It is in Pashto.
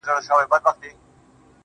خداى دي ساته له بــېـلــتــــونـــــه.